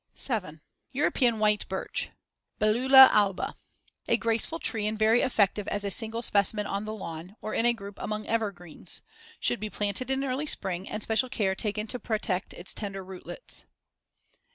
7. European white birch (Belula alba) A graceful tree and very effective as a single specimen on the lawn, or in a group among evergreens; should be planted in early spring, and special care taken to protect its tender rootlets.